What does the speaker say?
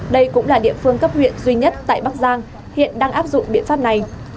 đây cũng là địa phương cấp huyện duy nhất tại bắc giang hiện đang áp dụng biện pháp này